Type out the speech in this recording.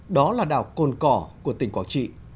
đó là đảo cồn cỏ của tỉnh quảng trị